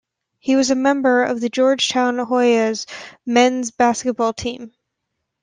He was a member of the Georgetown Hoyas men's basketball team.